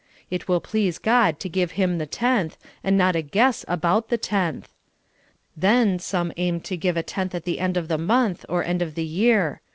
It will please God to give Him the tenth, and not a guess about the tenth. Then some aim to give a tenth at the end of the month, or end of the year.